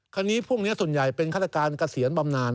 พวกนี้พวกนี้ส่วนใหญ่เป็นฆาตการเกษียณบำนาน